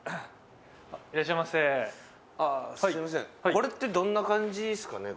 これってどんな感じっすかね？